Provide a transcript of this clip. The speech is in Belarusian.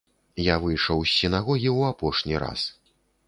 Я выйшаў з сінагогі ў апошні раз.